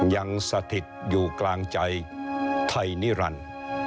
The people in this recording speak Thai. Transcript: สถิตอยู่กลางใจไทยนิรันดิ์